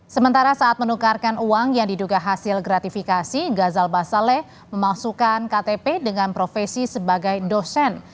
sementara saat menukarkan uang yang diduga hasil gratifikasi gazal basaleh memasukkan ktp dengan profesi sebagai dosen